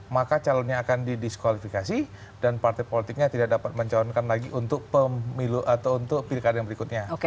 maka calonnya akan didiskualifikasi dan partai politiknya tidak dapat mencalonkan lagi untuk pemilu atau untuk pilkada yang berikutnya